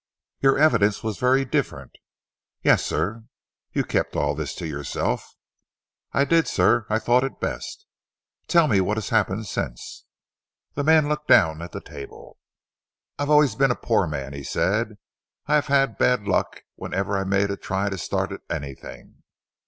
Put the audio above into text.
"Your evidence was very different." "Yes, sir." "You kept all this to yourself." "I did, sir. I thought it best." "Tell me what has happened since?" The man looked down at the table. "I have always been a poor man, sir," he said. "I have had bad luck whenever I've made a try to start at anything.